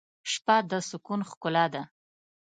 شپه د سکون ښکلا ده.